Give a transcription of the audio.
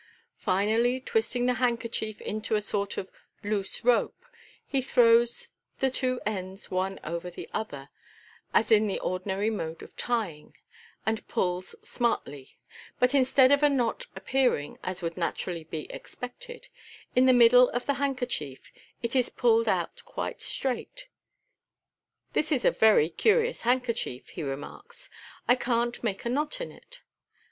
Finally twisting the handkerchief into a sort of loose rope, he throws the two ends one over the other, as in the ordinary mode of tying, and pulls smartly , but instead of a knot appearing, as would naturally be expected, in the middle of the hand kerchief, it is p idled out quite straight. "This is a very curi ous handkerchief, " he remarks ;" I can't make a knot in it."